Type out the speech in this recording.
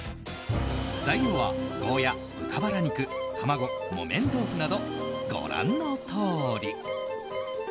材料はゴーヤ、豚バラ肉、卵木綿豆腐など、ご覧のとおり。